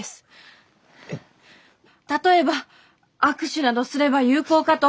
例えば握手などすれば有効かと。